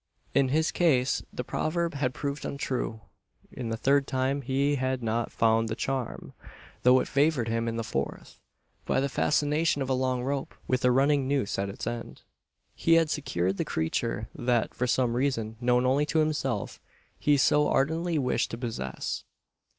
In his case the proverb had proved untrue. In the third time he had not found the "charm"; though it favoured him in the fourth. By the fascination of a long rope, with a running noose at its end, he had secured the creature that, for some reason known only to himself, he so ardently wished to possess.